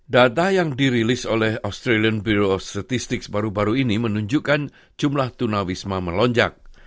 data yang dirilis oleh australian bureau of statistics baru baru ini menunjukkan jumlah tunawisma melonjak